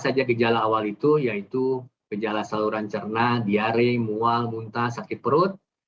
saja gejala awal itu yaitu gejala saluran cerna diare mual muntah sakit perut